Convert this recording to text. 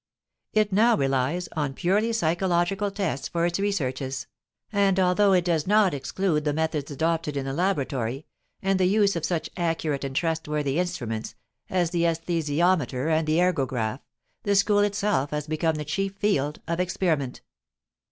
It now relies on purely psychological tests for its researches, and although it does not exclude the methods adopted in the laboratory, and the use of such accurate and trustworthy instruments as the esthesiometer and the ergograph, the school itself has become the chief field of experiment.